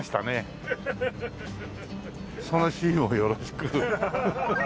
そのシーンをよろしく。